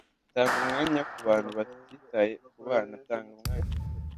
Tanga umwanya kubantu batitaye kubantu tanga umwanya